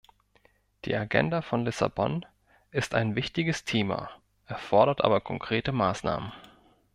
Die Agenda von Lissabon ist ein wichtiges Thema, erfordert aber konkrete Maßnahmen.